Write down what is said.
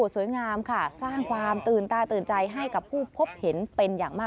สวยงามค่ะสร้างความตื่นตาตื่นใจให้กับผู้พบเห็นเป็นอย่างมาก